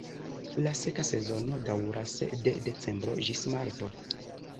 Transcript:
La seka sezono daŭras de decembro ĝis marto.